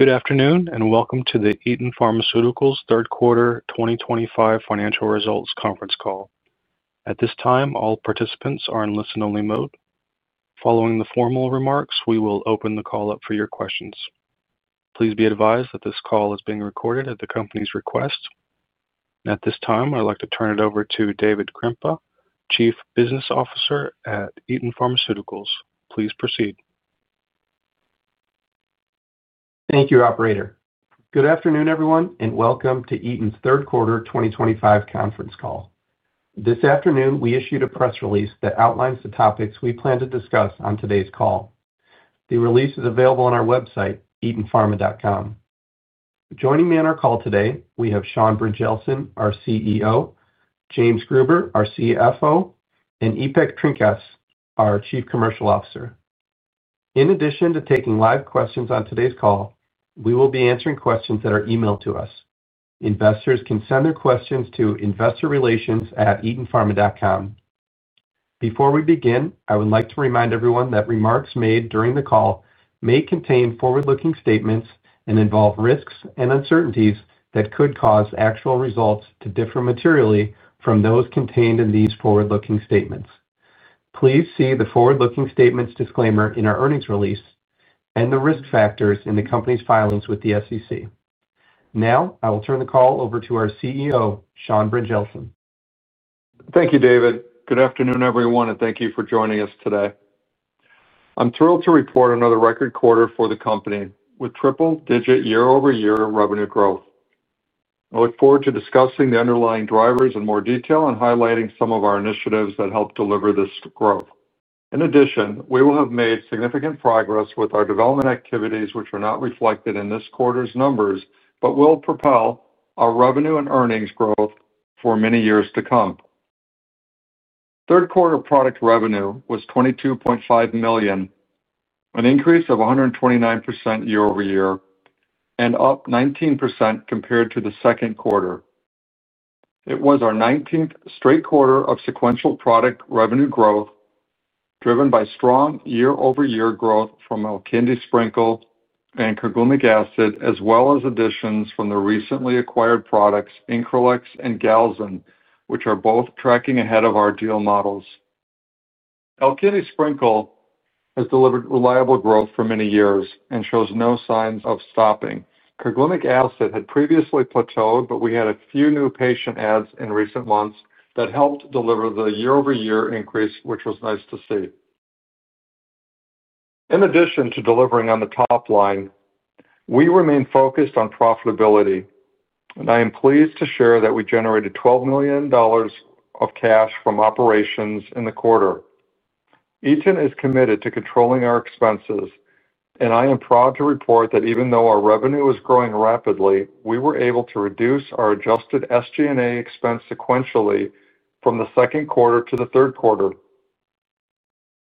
Good afternoon and welcome to the Eton Pharmaceuticals Third Quarter 2025 financial results conference call. At this time, all participants are in listen-only mode. Following the formal remarks, we will open the call up for your questions. Please be advised that this call is being recorded at the company's request. At this time, I'd like to turn it over to David Krempa, Chief Business Officer at Eton Pharmaceuticals. Please proceed. Thank you, Operator. Good afternoon, everyone, and welcome to Eton's third quarter 2025 conference call. This afternoon, we issued a press release that outlines the topics we plan to discuss on today's call. The release is available on our website, etonpharma.com. Joining me on our call today, we have Sean Brynjelsen, our CEO, James Gruber, our CFO, and Ipek Erdogan-Trinkaus, our Chief Commercial Officer. In addition to taking live questions on today's call, we will be answering questions that are emailed to us. Investors can send their questions to investorrelations@etonpharma.com. Before we begin, I would like to remind everyone that remarks made during the call may contain forward-looking statements and involve risks and uncertainties that could cause actual results to differ materially from those contained in these forward-looking statements. Please see the forward-looking statements disclaimer in our earnings release and the risk factors in the company's filings with the SEC. Now, I will turn the call over to our CEO, Sean Brynjelsen. Thank you, David. Good afternoon, everyone, and thank you for joining us today. I'm thrilled to report another record quarter for the company with triple-digit year-over-year revenue growth. I look forward to discussing the underlying drivers in more detail and highlighting some of our initiatives that helped deliver this growth. In addition, we have made significant progress with our development activities, which are not reflected in this quarter's numbers, but will propel our revenue and earnings growth for many years to come. Third quarter product revenue was $22.5 million, an increase of 129% year-over-year and up 19% compared to the second quarter. It was our 19th straight quarter of sequential product revenue growth. Driven by strong year-over-year growth from ALKINDI SPRINKLE and Carglumic Acid, as well as additions from the recently acquired products INCRELEX and GALZIN, which are both tracking ahead of our deal models. ALKINDI SPRINKLE has delivered reliable growth for many years and shows no signs of stopping. Carglumic Acid had previously plateaued, but we had a few new patient adds in recent months that helped deliver the year-over-year increase, which was nice to see. In addition to delivering on the top line, we remain focused on profitability, and I am pleased to share that we generated $12 million of cash from operations in the quarter. Eton is committed to controlling our expenses, and I am proud to report that even though our revenue was growing rapidly, we were able to reduce our adjusted SG&A expense sequentially from the second quarter to the third quarter.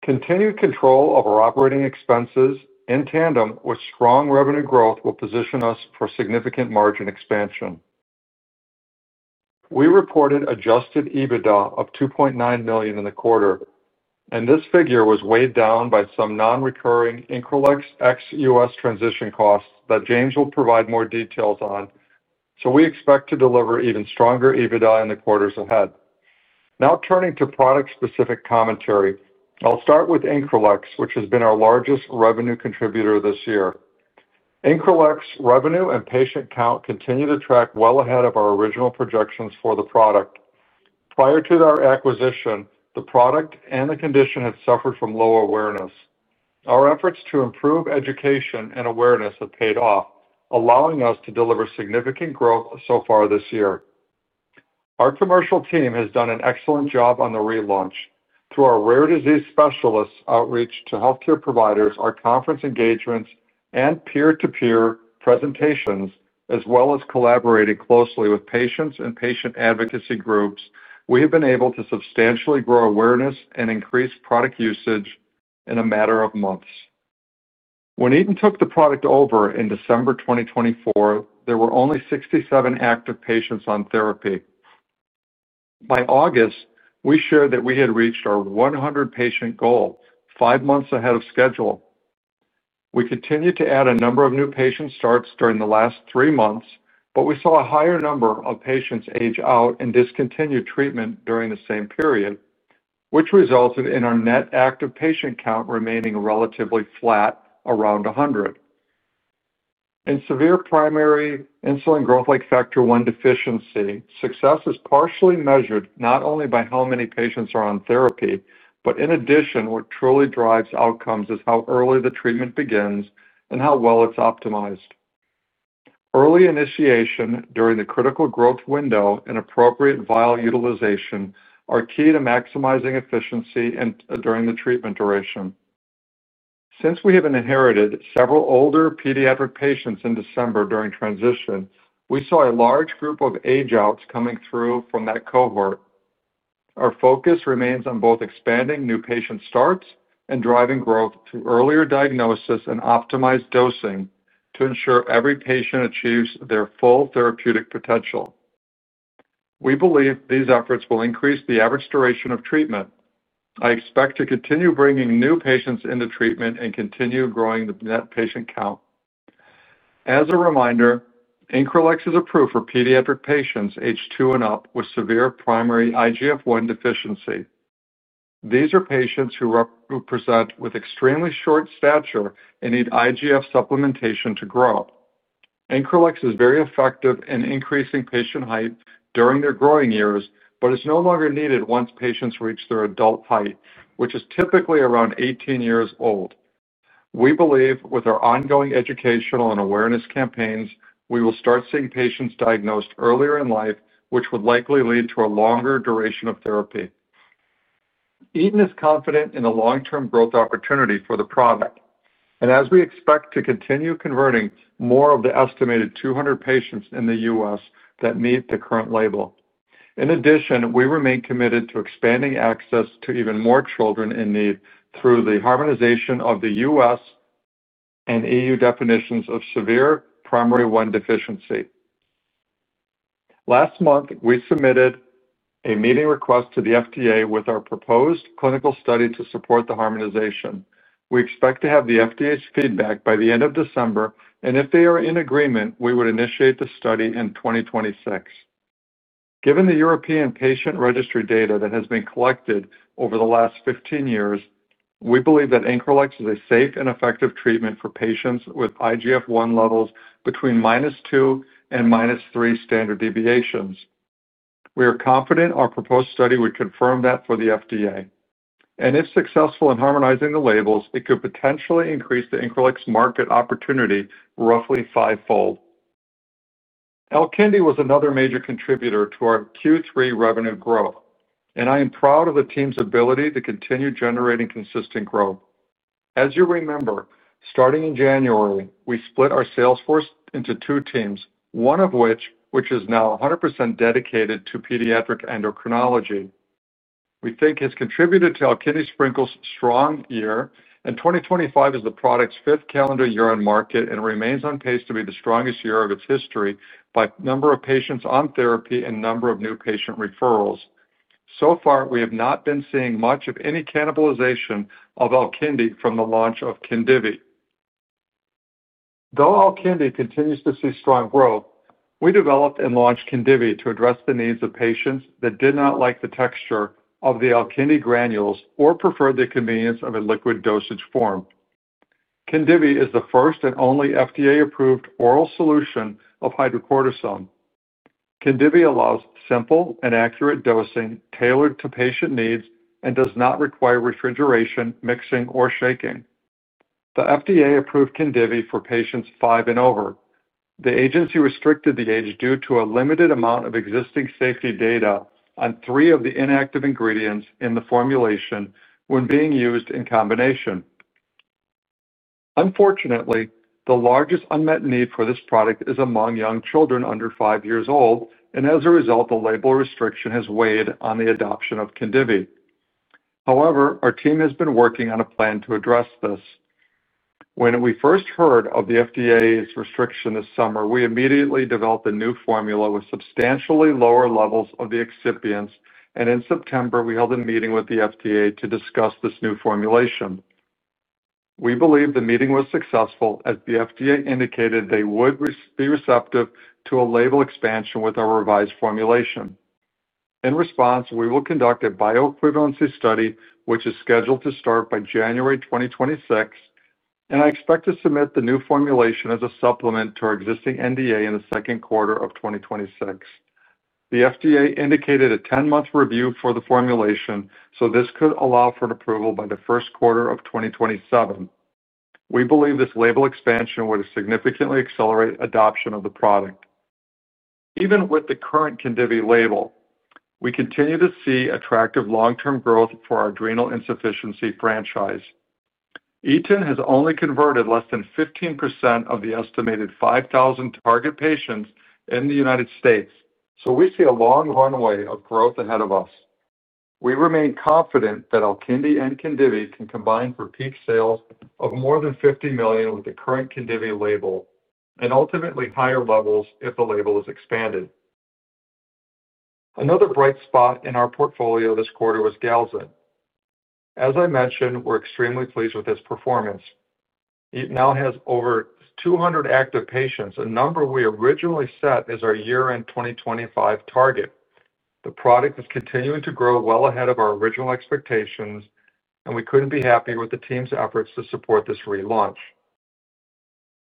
Continued control of our operating expenses in tandem with strong revenue growth will position us for significant margin expansion. We reported Adjusted EBITDA of $2.9 million in the quarter, and this figure was weighed down by some non-recurring INCRELEX ex-U.S. transition costs that James will provide more details on, so we expect to deliver even stronger EBITDA in the quarters ahead. Now, turning to product-specific commentary, I'll start with INCRELEX, which has been our largest revenue contributor this year. INCRELEX's revenue and patient count continue to track well ahead of our original projections for the product. Prior to our acquisition, the product and the condition had suffered from low awareness. Our efforts to improve education and awareness have paid off, allowing us to deliver significant growth so far this year. Our commercial team has done an excellent job on the relaunch. Through our rare disease specialist outreach to healthcare providers, our conference engagements, and peer-to-peer presentations, as well as collaborating closely with patients and patient advocacy groups, we have been able to substantially grow awareness and increase product usage in a matter of months. When Eton took the product over in December 2024, there were only 67 active patients on therapy. By August, we shared that we had reached our 100-patient goal five months ahead of schedule. We continued to add a number of new patient starts during the last three months, but we saw a higher number of patients age out and discontinue treatment during the same period, which resulted in our net active patient count remaining relatively flat around 100. In severe primary IGF-1 deficiency, success is partially measured not only by how many patients are on therapy, but in addition, what truly drives outcomes is how early the treatment begins and how well it's optimized. Early initiation during the critical growth window and appropriate vial utilization are key to maximizing efficiency during the treatment duration. Since we have inherited several older pediatric patients in December during transition, we saw a large group of age-outs coming through from that cohort. Our focus remains on both expanding new patient starts and driving growth through earlier diagnosis and optimized dosing to ensure every patient achieves their full therapeutic potential. We believe these efforts will increase the average duration of treatment. I expect to continue bringing new patients into treatment and continue growing the net patient count. As a reminder, INCRELEX is approved for pediatric patients age two and up with severe primary IGF-1 deficiency. These are patients who present with extremely short stature and need IGF supplementation to grow. INCRELEX is very effective in increasing patient height during their growing years, but is no longer needed once patients reach their adult height, which is typically around 18 years old. We believe with our ongoing educational and awareness campaigns, we will start seeing patients diagnosed earlier in life, which would likely lead to a longer duration of therapy. Eton is confident in the long-term growth opportunity for the product, and as we expect to continue converting more of the estimated 200 patients in the U.S. that meet the current label. In addition, we remain committed to expanding access to even more children in need through the harmonization of the U.S. EU definitions of severe primary IGF-1 deficiency. Last month, we submitted a meeting request to the FDA with our proposed clinical study to support the harmonization. We expect to have the FDA's feedback by the end of December, and if they are in agreement, we would initiate the study in 2026. Given the European Patient Registry data that has been collected over the last 15 years, we believe that INCRELEX is a safe and effective treatment for patients with IGF-1 levels between minus two and minus three standard deviations. We are confident our proposed study would confirm that for the FDA, and if successful in harmonizing the labels, it could potentially increase the INCRELEX market opportunity roughly fivefold. ALKINDI was another major contributor to our Q3 revenue growth, and I am proud of the team's ability to continue generating consistent growth. As you remember, starting in January, we split our sales force into two teams, one of which is now 100% dedicated to pediatric endocrinology. We think it has contributed to ALKINDI SPRINKLE's strong year, and 2025 is the product's fifth calendar year on market and remains on pace to be the strongest year of its history by number of patients on therapy and number of new patient referrals. So far, we have not been seeing much of any cannibalization of ALKINDI from the launch of KHINDIVI. Though ALKINDI continues to see strong growth, we developed and launched KHINDIVI to address the needs of patients that did not like the texture of the ALKINDI granules or preferred the convenience of a liquid dosage form. KHINDIVI is the first and only FDA-approved oral solution of hydrocortisone. KHINDIVI allows simple and accurate dosing tailored to patient needs and does not require refrigeration, mixing, or shaking. The FDA approved KHINDIVI for patients five and over. The agency restricted the age due to a limited amount of existing safety data on three of the inactive ingredients in the formulation when being used in combination. Unfortunately, the largest unmet need for this product is among young children under five years old, and as a result, the label restriction has weighed on the adoption of KHINDIVI. However, our team has been working on a plan to address this. When we first heard of the FDA's restriction this summer, we immediately developed a new formula with substantially lower levels of the excipients, and in September, we held a meeting with the FDA to discuss this new formulation. We believe the meeting was successful as the FDA indicated they would be receptive to a label expansion with our revised formulation. In response, we will conduct a bioequivalency study, which is scheduled to start by January 2026. I expect to submit the new formulation as a supplement to our existing NDA in the second quarter of 2026. The FDA indicated a 10-month review for the formulation, so this could allow for approval by the first quarter of 2027. We believe this label expansion would significantly accelerate adoption of the product. Even with the current KHINDIVI label, we continue to see attractive long-term growth for our adrenal insufficiency franchise. Eton has only converted less than 15% of the estimated 5,000 target patients in the United States, so we see a long runway of growth ahead of us. We remain confident that ALKINDI and KHINDIVI can combine for peak sales of more than $50 million with the current KHINDIVI label and ultimately higher levels if the label is expanded. Another bright spot in our portfolio this quarter was GALZIN. As I mentioned, we're extremely pleased with its performance. It now has over 200 active patients, a number we originally set as our year-end 2025 target. The product is continuing to grow well ahead of our original expectations, and we couldn't be happier with the team's efforts to support this relaunch.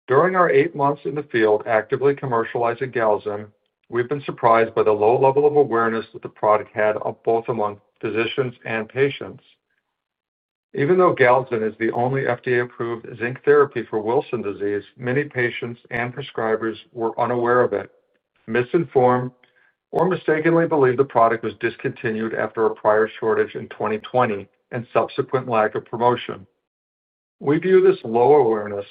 During our eight months in the field actively commercializing GALZIN, we've been surprised by the low level of awareness that the product had both among physicians and patients. Even though GALZIN is the only FDA-approved zinc therapy for Wilson disease, many patients and prescribers were unaware of it, misinformed, or mistakenly believed the product was discontinued after a prior shortage in 2020 and subsequent lack of promotion. We view this low awareness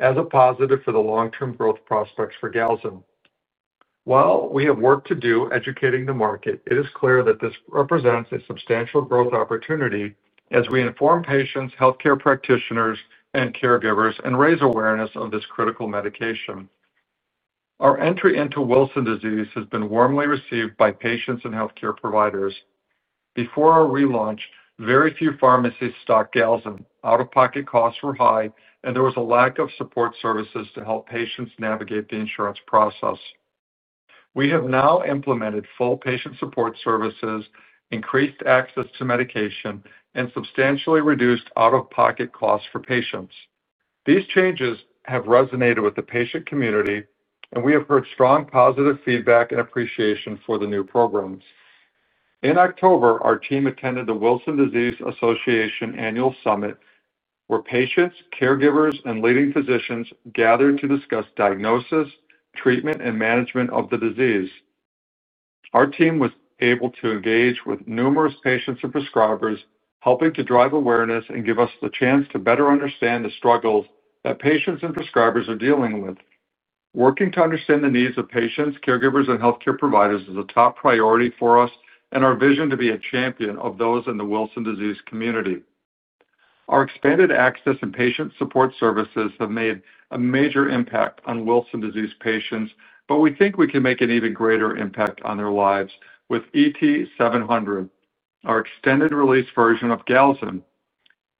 as a positive for the long-term growth prospects for GALZIN. While we have work to do educating the market, it is clear that this represents a substantial growth opportunity as we inform patients, healthcare practitioners, and caregivers and raise awareness of this critical medication. Our entry into Wilson disease has been warmly received by patients and healthcare providers. Before our relaunch, very few pharmacies stocked GALZIN. Out-of-pocket costs were high, and there was a lack of support services to help patients navigate the insurance process. We have now implemented full patient support services, increased access to medication, and substantially reduced out-of-pocket costs for patients. These changes have resonated with the patient community, and we have heard strong positive feedback and appreciation for the new programs. In October, our team attended the Wilson Disease Association Annual Summit, where patients, caregivers, and leading physicians gathered to discuss diagnosis, treatment, and management of the disease. Our team was able to engage with numerous patients and prescribers, helping to drive awareness and give us the chance to better understand the struggles that patients and prescribers are dealing with. Working to understand the needs of patients, caregivers, and healthcare providers is a top priority for us and our vision to be a champion of those in the Wilson disease community. Our expanded access and patient support services have made a major impact on Wilson disease patients, but we think we can make an even greater impact on their lives with ET-700, our extended-release version of GALZIN.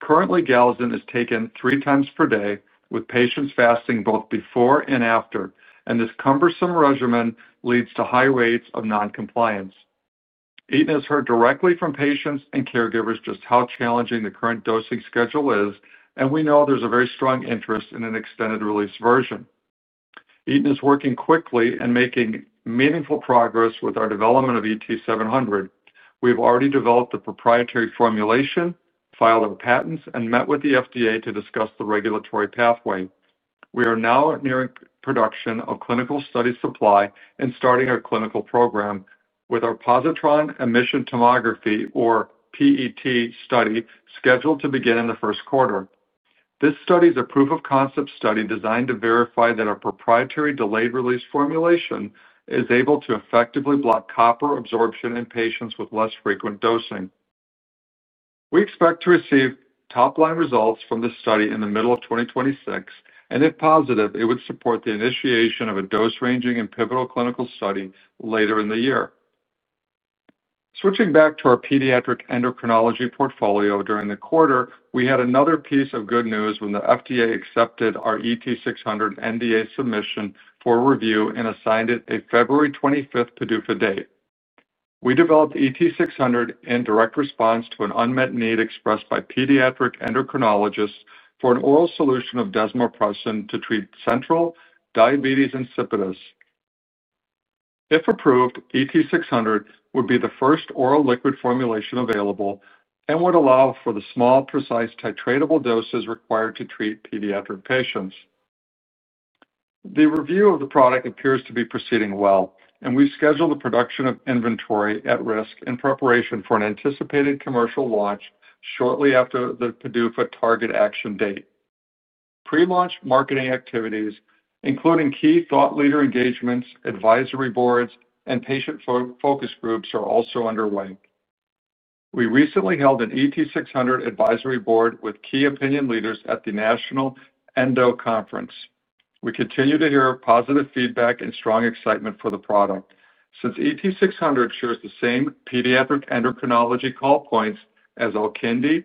Currently, GALZIN is taken three times per day with patients fasting both before and after, and this cumbersome regimen leads to high rates of non-compliance. Eton has heard directly from patients and caregivers just how challenging the current dosing schedule is, and we know there's a very strong interest in an extended-release version. Eton is working quickly and making meaningful progress with our development of ET-700. We've already developed the proprietary formulation, filed our patents, and met with the FDA to discuss the regulatory pathway. We are now nearing production of clinical study supply and starting our clinical program with our Positron Emission Tomography, or PET, study scheduled to begin in the first quarter. This study is a proof-of-concept study designed to verify that our proprietary delayed-release formulation is able to effectively block copper absorption in patients with less frequent dosing. We expect to receive top-line results from this study in the middle of 2026, and if positive, it would support the initiation of a dose-ranging and pivotal clinical study later in the year. Switching back to our pediatric endocrinology portfolio during the quarter, we had another piece of good news when the FDA accepted our ET-600 NDA submission for review and assigned it a February 25th PDUFA date. We developed ET-600 in direct response to an unmet need expressed by pediatric endocrinologists for an oral solution of desmopressin to treat central diabetes insipidus. If approved, ET-600 would be the first oral liquid formulation available and would allow for the small, precise titratable doses required to treat pediatric patients. The review of the product appears to be proceeding well, and we've scheduled the production of inventory at risk in preparation for an anticipated commercial launch shortly after the PDUFA target action date. Pre-launch marketing activities, including key thought leader engagements, advisory boards, and patient focus groups, are also underway. We recently held an ET-600 advisory board with key opinion leaders at the National Endo Conference. We continue to hear positive feedback and strong excitement for the product. Since ET-600 shares the same pediatric endocrinology call points as ALKINDI,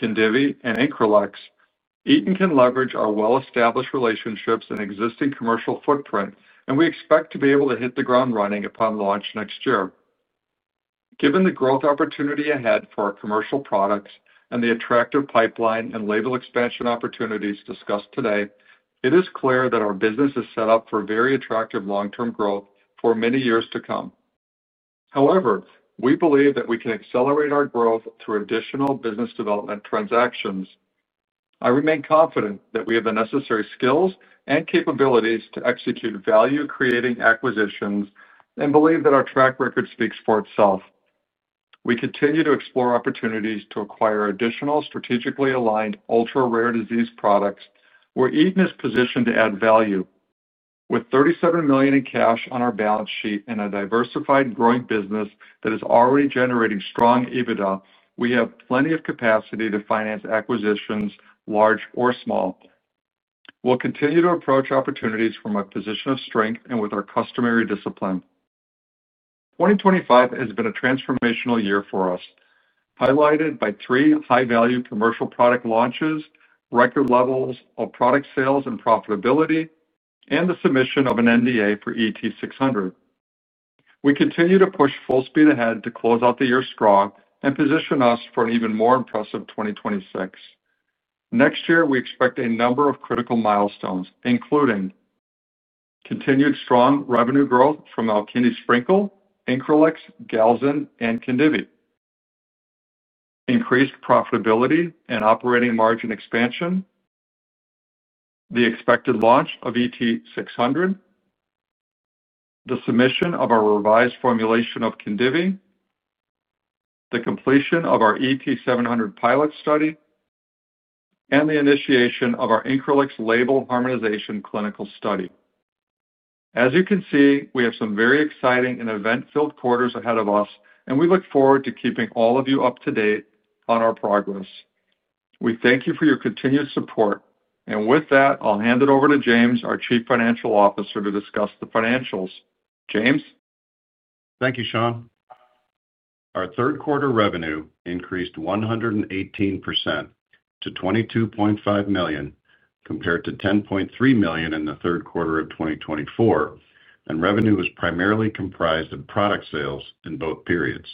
KHINDIVI, and INCRELEX, Eton can leverage our well-established relationships and existing commercial footprint, and we expect to be able to hit the ground running upon launch next year. Given the growth opportunity ahead for our commercial products and the attractive pipeline and label expansion opportunities discussed today, it is clear that our business is set up for very attractive long-term growth for many years to come. However, we believe that we can accelerate our growth through additional business development transactions. I remain confident that we have the necessary skills and capabilities to execute value-creating acquisitions and believe that our track record speaks for itself. We continue to explore opportunities to acquire additional strategically aligned ultra-rare disease products where Eton is positioned to add value. With $37 million in cash on our balance sheet and a diversified, growing business that is already generating strong EBITDA, we have plenty of capacity to finance acquisitions, large or small. We'll continue to approach opportunities from a position of strength and with our customary discipline. 2025 has been a transformational year for us, highlighted by three high-value commercial product launches, record levels of product sales and profitability, and the submission of an NDA for ET-600. We continue to push full speed ahead to close out the year strong and position us for an even more impressive 2026. Next year, we expect a number of critical milestones, including continued strong revenue growth from ALKINDI SPRINKLE, INCRELEX, GALZIN, and KHINDIVI, increased profitability and operating margin expansion, the expected launch of ET-600, the submission of our revised formulation of KHINDIVI, the completion of our ET-700 pilot study, and the initiation of our INCRELEX label harmonization clinical study. As you can see, we have some very exciting and event-filled quarters ahead of us, and we look forward to keeping all of you up to date on our progress. We thank you for your continued support, and with that, I'll hand it over to James, our Chief Financial Officer, to discuss the financials. James. Thank you, Sean. Our third-quarter revenue increased 118% to $22.5 million, compared to $10.3 million in the third quarter of 2024, and revenue was primarily comprised of product sales in both periods.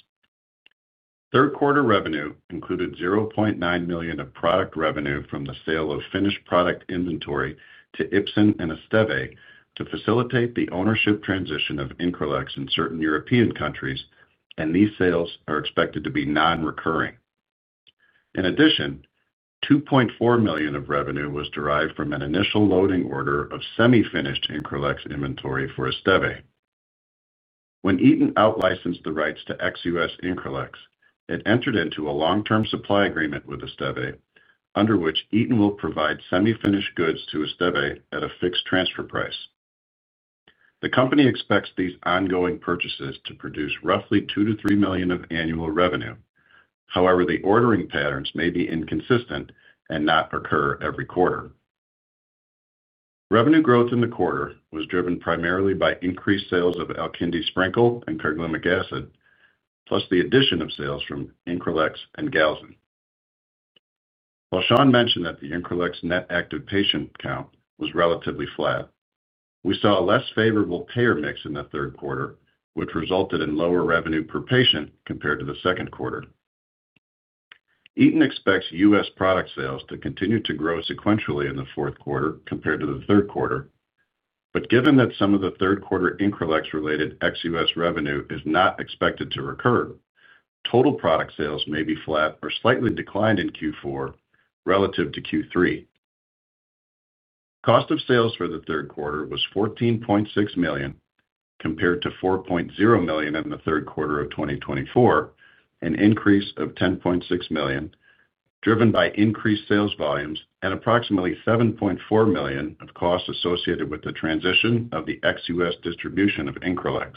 Third-quarter revenue included $0.9 million of product revenue from the sale of finished product inventory to Ipsen and Esteve to facilitate the ownership transition of INCRELEX in certain European countries, and these sales are expected to be non-recurring. In addition, $2.4 million of revenue was derived from an initial loading order of semi-finished INCRELEX inventory for Esteve. When Eton out-licensed the rights to ex-U.S. INCRELEX, it entered into a long-term supply agreement with Esteve, under which Eton will provide semi-finished goods to Esteve at a fixed transfer price. The company expects these ongoing purchases to produce roughly $2 million-$3 million of annual revenue. However, the ordering patterns may be inconsistent and not occur every quarter. Revenue growth in the quarter was driven primarily by increased sales of ALKINDI SPRINKLE and Carglumi Acid, plus the addition of sales from INCRELEX and Galzin. While Sean mentioned that the INCRELEX net active patient count was relatively flat, we saw a less favorable payer mix in the third quarter, which resulted in lower revenue per patient compared to the second quarter. Eton expects U.S. product sales to continue to grow sequentially in the fourth quarter compared to the third quarter, but given that some of the third-quarter INCRELEX-related ex-U.S. revenue is not expected to recur, total product sales may be flat or slightly declined in Q4 relative to Q3. Cost of sales for the third quarter was $14.6 million, compared to $4.0 million in the third quarter of 2024, an increase of $10.6 million, driven by increased sales volumes and approximately $7.4 million of cost associated with the transition of the ex-U.S. distribution of INCRELEX.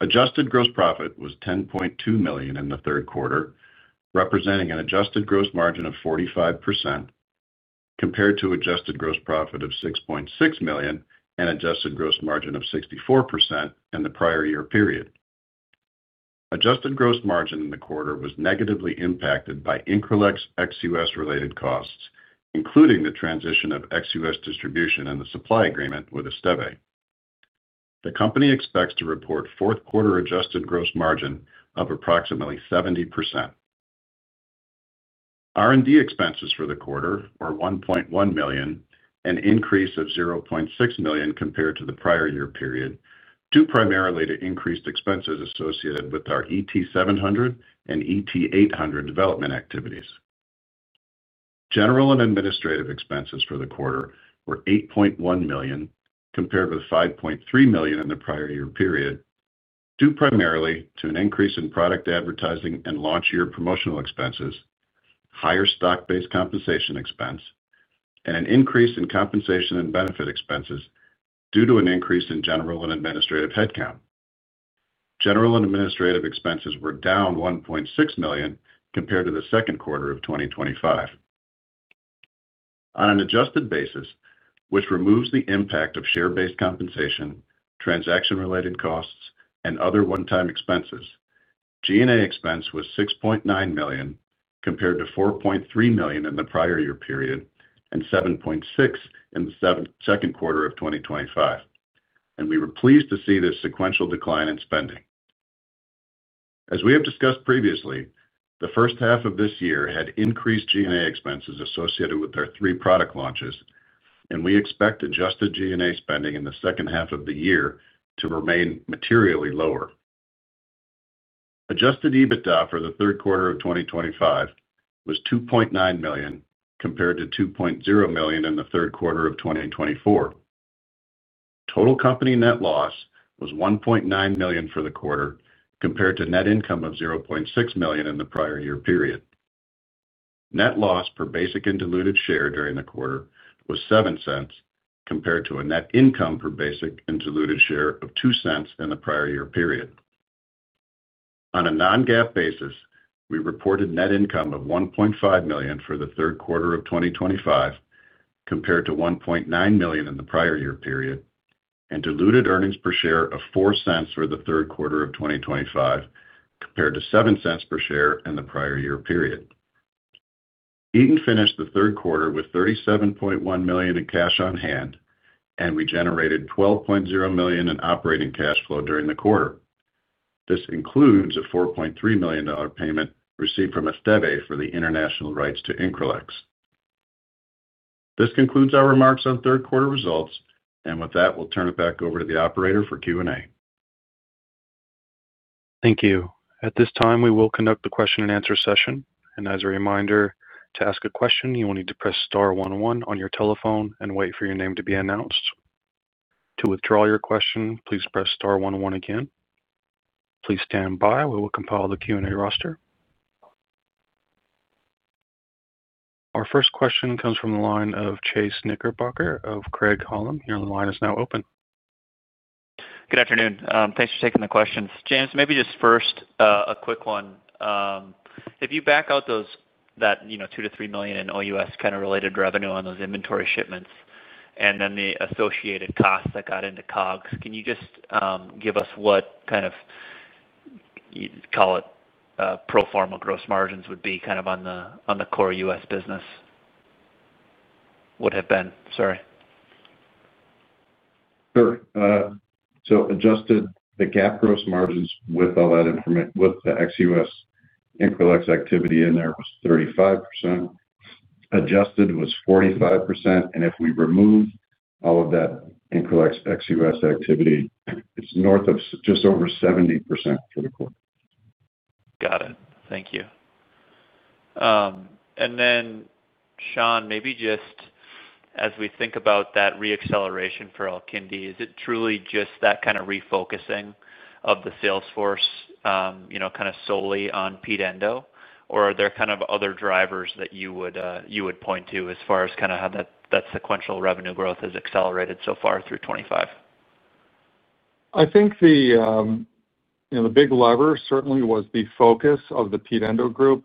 Adjusted gross profit was $10.2 million in the third quarter, representing an adjusted gross margin of 45%. Compared to adjusted gross profit of $6.6 million and adjusted gross margin of 64% in the prior year period. Adjusted gross margin in the quarter was negatively impacted by INCRELEX ex-U.S.-related costs, including the transition of ex-U.S. distribution and the supply agreement with Ipsen. The company expects to report fourth-quarter adjusted gross margin of approximately 70%. R&D expenses for the quarter were $1.1 million, an increase of $0.6 million compared to the prior year period, due primarily to increased expenses associated with our ET-700 and ET-800 development activities. General and administrative expenses for the quarter were $8.1 million, compared with $5.3 million in the prior year period. Due primarily to an increase in product advertising and launch year promotional expenses, higher stock-based compensation expense, and an increase in compensation and benefit expenses due to an increase in general and administrative headcount. General and administrative expenses were down $1.6 million compared to the second quarter of 2025. On an adjusted basis, which removes the impact of share-based compensation, transaction-related costs, and other one-time expenses, G&A expense was $6.9 million compared to $4.3 million in the prior year period and $7.6 million in the second quarter of 2025. We were pleased to see this sequential decline in spending. As we have discussed previously, the first half of this year had increased G&A expenses associated with our three product launches, and we expect adjusted G&A spending in the second half of the year to remain materially lower. Adjusted EBITDA for the third quarter of 2025 was $2.9 million compared to $2.0 million in the third quarter of 2024. Total company net loss was $1.9 million for the quarter compared to net income of $0.6 million in the prior year period. Net loss per basic and diluted share during the quarter was $0.07 compared to net income per basic and diluted share of $0.02 in the prior year period. On a non-GAAP basis, we reported net income of $1.5 million for the third quarter of 2025. Compared to $1.9 million in the prior year period, and diluted earnings per share of $0.04 for the third quarter of 2025 compared to $0.07 per share in the prior year period. Eton finished the third quarter with $37.1 million in cash on hand, and we generated $12.0 million in operating cash flow during the quarter. This includes a $4.3 million payment received from Esteve for the international rights to INCRELEX. This concludes our remarks on third-quarter results, and with that, we'll turn it back over to the operator for Q&A. Thank you. At this time, we will conduct the question-and-answer session. As a reminder, to ask a question, you will need to press star one one on your telephone and wait for your name to be announced. To withdraw your question, please press star one one again. Please stand by while we compile the Q&A roster. Our first question comes from the line of Chase Knickerbocker of Craig-Hallum. Your line is now open. Good afternoon. Thanks for taking the questions. James, maybe just first a quick one. If you back out that $2 million-$3 million in OUS kind of related revenue on those inventory shipments and then the associated costs that got into COGS, can you just give us what kind of, you'd call it, pro-pharma gross margins would be kind of on the core U.S. business. Would have been, sorry. Sure. So adjusted, the GAAP gross margins with all that information with the ex-U.S. INCRELEX activity in there was 35%. Adjusted was 45%. And if we remove all of that INCRELEX ex-U.S. activity, it's north of just over 70% for the quarter. Got it. Thank you. And then, Sean, maybe just. As we think about that re-acceleration for ALKINDI, is it truly just that kind of refocusing of the sales force kind of solely on Pendo, or are there kind of other drivers that you would point to as far as kind of how that sequential revenue growth has accelerated so far through 2025? I think the big lever certainly was the focus of the Pendo group.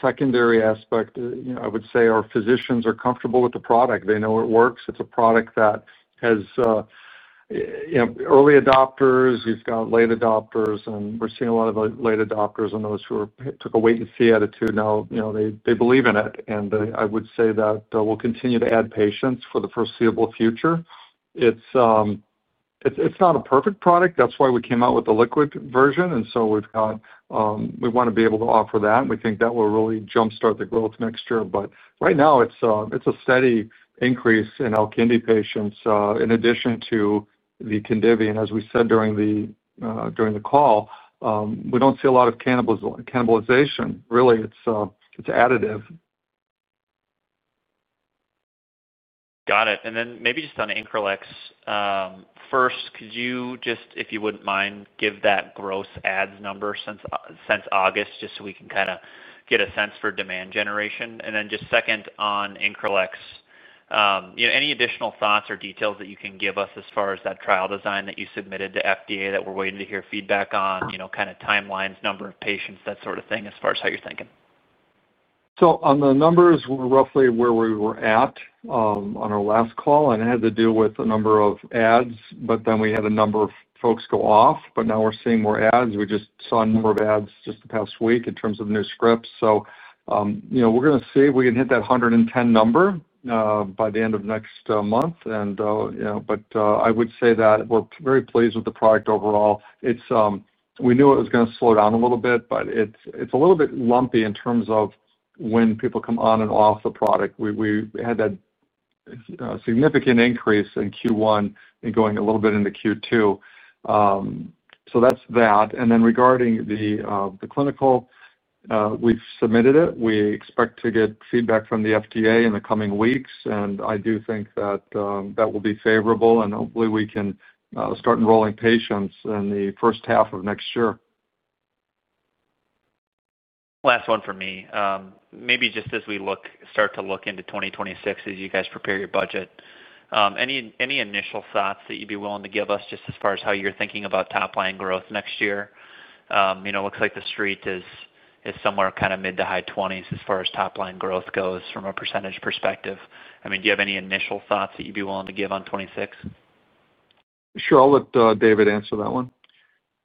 Secondary aspect, I would say our physicians are comfortable with the product. They know it works. It's a product that has early adopters, you've got late adopters, and we're seeing a lot of late adopters and those who took a wait-and-see attitude. Now they believe in it. I would say that we'll continue to add patients for the foreseeable future. It's not a perfect product. That's why we came out with the liquid version. And so we've got. We want to be able to offer that. We think that will really jump-start the growth mixture. Right now, it's a steady increase in ALKINDI patients in addition to the KHINDIVI. As we said during the call, we do not see a lot of cannibalization. Really, it's additive. Got it. Maybe just on INCRELEX. First, could you just, if you would not mind, give that gross adds number since August just so we can kind of get a sense for demand generation? Second, on INCRELEX, any additional thoughts or details that you can give us as far as that trial design that you submitted to FDA that we are waiting to hear feedback on, kind of timelines, number of patients, that sort of thing as far as how you are thinking? On the numbers, we are roughly where we were at. On our last call, and it had to do with a number of ads, but then we had a number of folks go off. Now we're seeing more ads. We just saw a number of ads just the past week in terms of new scripts. We're going to see if we can hit that 110 number by the end of next month. I would say that we're very pleased with the product overall. We knew it was going to slow down a little bit, but it's a little bit lumpy in terms of when people come on and off the product. We had that significant increase in Q1 and going a little bit into Q2. That's that. Regarding the clinical, we've submitted it. We expect to get feedback from the FDA in the coming weeks. I do think that that will be favorable. Hopefully, we can start enrolling patients in the first half of next year. Last one for me. Maybe just as we start to look into 2026 as you guys prepare your budget, any initial thoughts that you'd be willing to give us just as far as how you're thinking about top-line growth next year? Looks like the street is somewhere kind of mid to high 20s as far as top-line growth goes from a percentage perspective. I mean, do you have any initial thoughts that you'd be willing to give on 2026? Sure. I'll let David answer that one.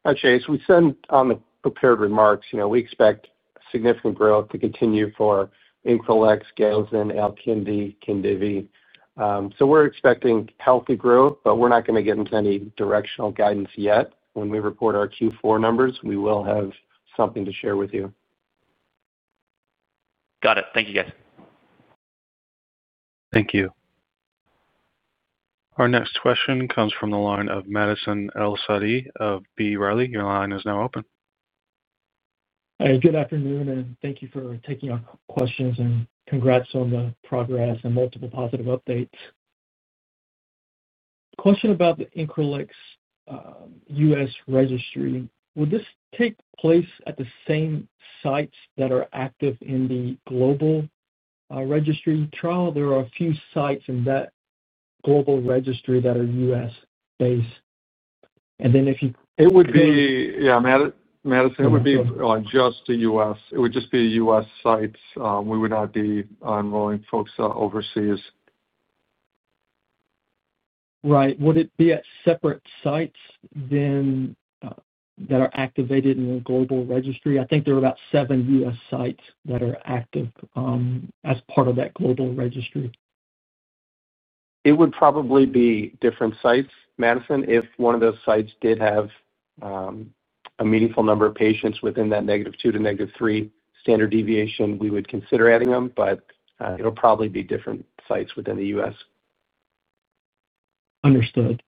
Hi, Chase. We said on the prepared remarks, we expect significant growth to continue for INCRELEX, GALZIN, ALKINDI, KHINDIVI. We are expecting healthy growth, but we're not going to get into any directional guidance yet. When we report our Q4 numbers, we will have something to share with you. Got it. Thank you, guys. Thank you. Our next question comes from the line of Madison El-Saadi of B. Riley. Your line is now open. Good afternoon, and thank you for taking our questions and congrats on the progress and multiple positive updates. Question about the INCRELEX U.S. registry. Will this take place at the same sites that are active in the global registry trial? There are a few sites in that global registry that are U.S.-based. If you— It would be—Yeah, Madison, it would be just the U.S. It would just be the U.S. sites. We would not be enrolling folks overseas. Right. Would it be at separate sites then that are activated in the global registry? I think there are about seven U.S. sites that are active as part of that global registry. It would probably be different sites, Madison. If one of those sites did have. A meaningful number of patients within that negative two to negative three standard deviation, we would consider adding them, but it'll probably be different sites within the U.S. Understood.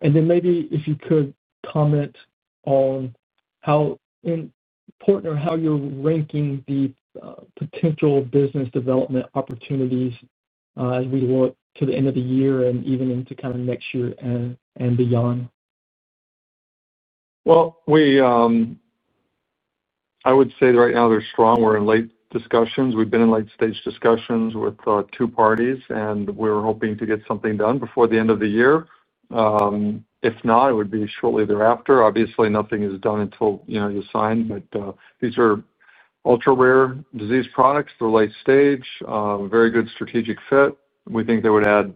And then maybe if you could comment on how important or how you're ranking the potential business development opportunities as we look to the end of the year and even into kind of next year and beyond. I would say right now they're strong. We're in late discussions. We've been in late-stage discussions with two parties, and we're hoping to get something done before the end of the year. If not, it would be shortly thereafter. Obviously, nothing is done until you sign, but these are ultra-rare disease products. They're late-stage, very good strategic fit. We think they would add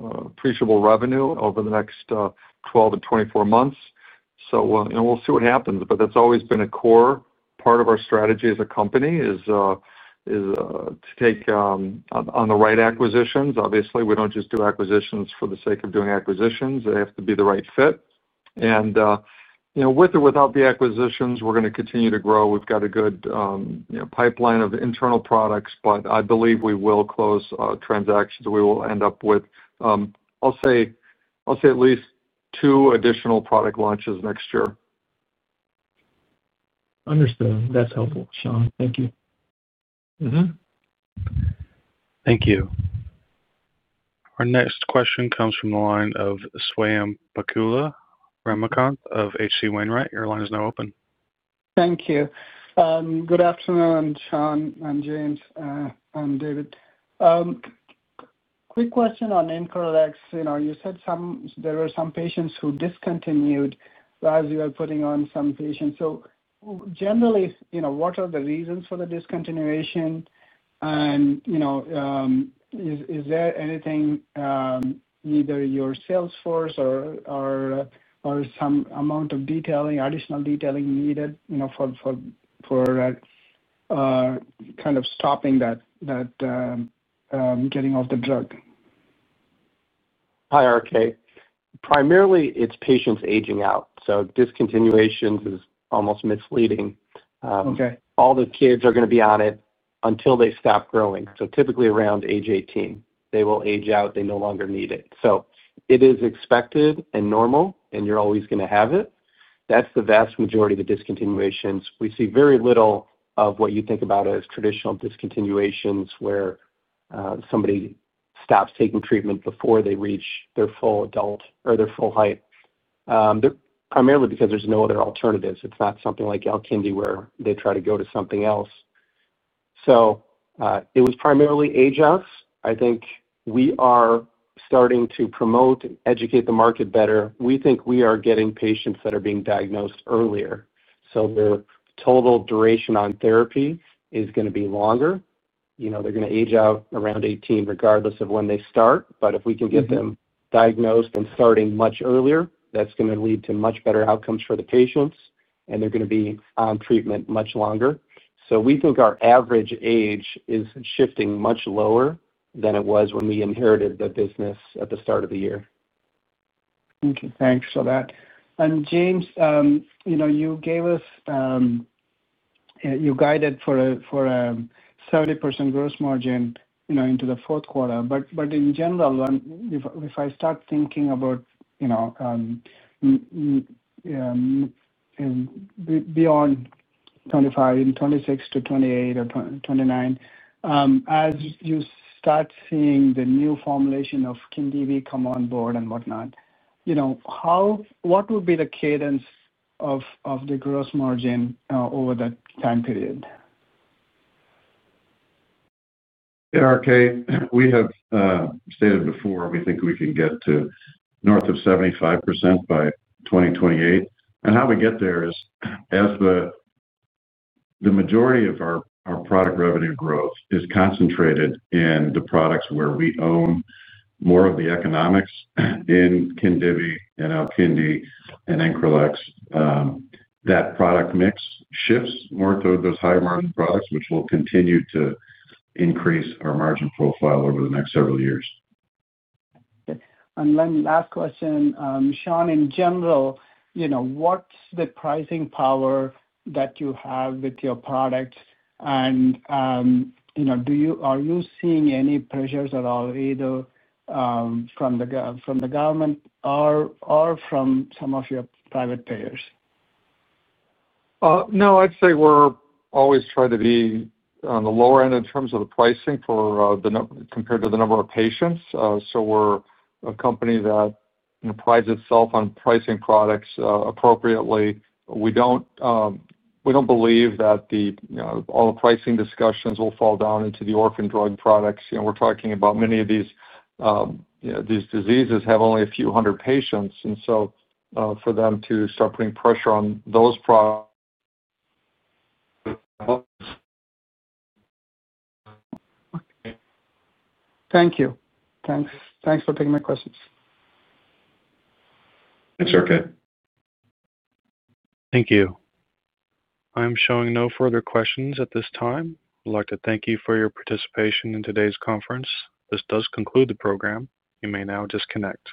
appreciable revenue over the next 12-24 months. We'll see what happens. That's always been a core part of our strategy as a company. To take on the right acquisitions. Obviously, we do not just do acquisitions for the sake of doing acquisitions. They have to be the right fit. With or without the acquisitions, we are going to continue to grow. We have got a good pipeline of internal products, but I believe we will close transactions. We will end up with, I will say, at least two additional product launches next year. Understood. That is helpful, Sean. Thank you. Thank you. Our next question comes from the line of Swayampakula Ramakanth of H.C. Wainwright. Your line is now open. Thank you. Good afternoon, Sean, James and David. Quick question on INCRELEX. You said there were some patients who discontinued as you are putting on some patients. Generally, what are the reasons for the discontinuation? Is there anything. Neither your sales force or some amount of additional detailing needed for kind of stopping that, getting off the drug? Hi, RK. Primarily, it's patients aging out. So discontinuation is almost misleading. All the kids are going to be on it until they stop growing. Typically around age 18, they will age out. They no longer need it. It is expected and normal, and you're always going to have it. That's the vast majority of the discontinuations. We see very little of what you think about as traditional discontinuations where somebody stops taking treatment before they reach their full adult or their full height. Primarily because there's no other alternatives. It's not something like ALKINDI where they try to go to something else. It was primarily age outs. I think we are starting to promote and educate the market better. We think we are getting patients that are being diagnosed earlier. Their total duration on therapy is going to be longer. They're going to age out around 18 regardless of when they start. If we can get them diagnosed and starting much earlier, that's going to lead to much better outcomes for the patients, and they're going to be on treatment much longer. We think our average age is shifting much lower than it was when we inherited the business at the start of the year. Thank you. Thanks for that. James, you gave us, you guided for a 30% gross margin into the fourth quarter. In general, if I start thinking about beyond 2025, 2026 to 2028 or 2029, as you start seeing the new formulation of KHINDIVI come on board and whatnot. What would be the cadence of the gross margin over that time period? RK, we have stated before we think we can get to north of 75% by 2028. How we get there is as the majority of our product revenue growth is concentrated in the products where we own more of the economics in KHINDIVI and ALKINDI and INCRELEX. That product mix shifts more toward those higher margin products, which will continue to increase our margin profile over the next several years. Last question, Sean, in general, what's the pricing power that you have with your product? Are you seeing any pressures at all, either from the government or from some of your private payers? No, I'd say we're always trying to be on the lower end in terms of the pricing compared to the number of patients. We're a company that. Prides itself on pricing products appropriately. We do not believe that all the pricing discussions will fall down into the orphan drug products. We are talking about many of these diseases have only a few hundred patients, and for them to start putting pressure on those products. Thank you. Thanks for taking my questions. Thanks, RK. Thank you. I am showing no further questions at this time. I would like to thank you for your participation in today's conference. This does conclude the program. You may now disconnect.